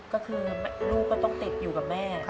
ก็คือลูกก็ต้องติดอยู่กับแม่